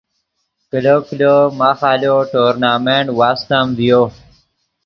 کلو کلو ماخ آلو ٹورنامنٹ واستم ڤیو